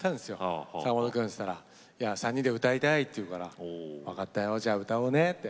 「坂本君」って言ったら「３人で歌いたい」って言うからわかったよじゃあ歌おうねって。